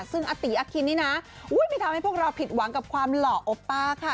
ซึ่งอาตีอคินนี่นะไม่ทำให้พวกเราผิดหวังกับความหล่อโอป้าค่ะ